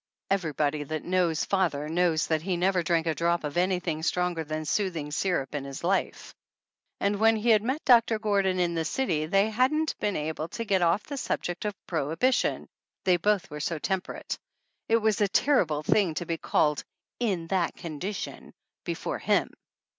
Everybody that knows father knows that he 51 THE ANNALS OF ANN never drank a drop of anything stronger than soothing syrup in his life ; and when he had met Doctor Gordon in the city they hadn't been able to get off the subject of prohibition, they both were so temperate. It was a terrible thing to be called "in that condition" before him!